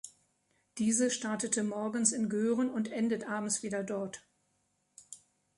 Diese startete morgens in Göhren und endet abends wieder dort.